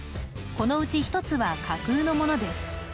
このうち１つは架空のものです